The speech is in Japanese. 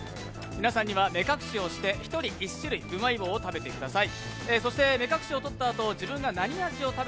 皆さんには目隠しして１人１種類、うまい棒を食べてください。